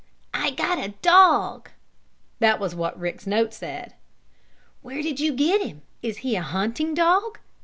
"I got a dog!" That was what Rick's note said. "Where did you get him? Is he a hunting dog?"